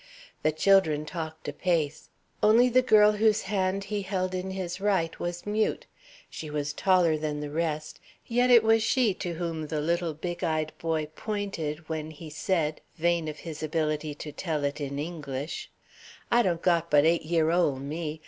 The children talked apace. Only the girl whose hand he held in his right was mute. She was taller than the rest; yet it was she to whom the little big eyed boy pointed when he said, vain of his ability to tell it in English: "I don't got but eight year' old, me.